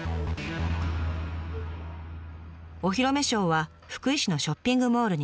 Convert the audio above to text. お披露目ショーは福井市のショッピングモールに場所を借りて開催。